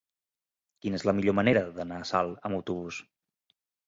Quina és la millor manera d'anar a Salt amb autobús?